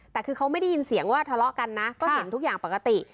แต่คือเขาไม่ได้ยินเสียงว่าทะเลาะกันนะก็เห็นทุกอย่างปกติ